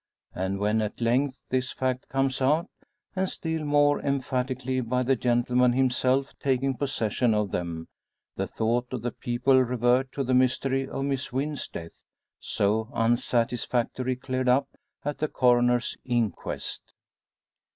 And when at length this fact comes out, and still more emphatically by the gentleman himself taking possession of them, the thoughts of the people revert to the mystery of Miss Wynn's death, so unsatisfactory cleared up at the Coroner's inquest.